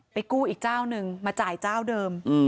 กู้อีกเจ้านึงมาจ่ายเจ้าเดิม